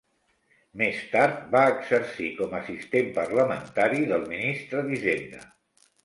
Més tard va exercir com a assistent parlamentari del ministre d'Hisenda.